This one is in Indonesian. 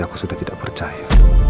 aku sudah tidak percaya